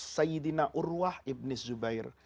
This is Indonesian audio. sayyidina urwah ibnis zubair